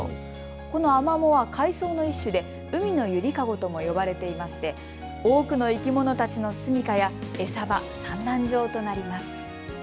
このアマモは海草の一種で海のゆりかごとも呼ばれていまして多くの生き物たちの住みかや餌場、産卵場となります。